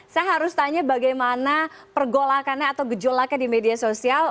saya harus tanya bagaimana pergolakannya atau gejolaknya di media sosial